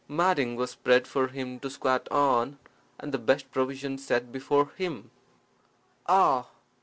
Matting was spread for him to squat on, and the best provisions set before him. "Ah!"